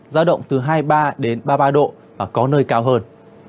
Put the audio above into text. giao động từ hai mươi ba đến ba mươi ba độ và có nơi cao hơn